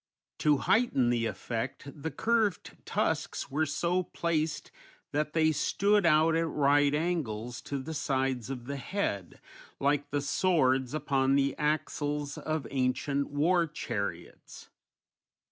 To heighten the effect, the curved tusks were so placed that they stood out at right angles to the sides of the head, like the swords upon the axles of ancient war chariots.